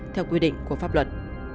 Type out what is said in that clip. theo quy định của pháp luật